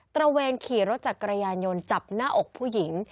ระเวนขี่รถจักรยานยนต์จับหน้าอกผู้หญิง